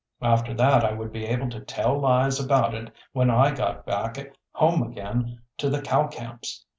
After that I would be able to tell lies about it when I got back home again to the cow camps.